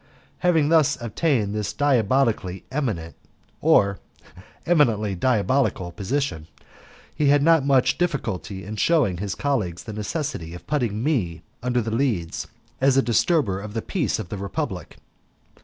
Having thus attained this diabolically eminent, or eminently diabolical, position, he had not much difficulty in shewing his colleagues the necessity of putting me under The Leads as a disturber of the peace of the Republic.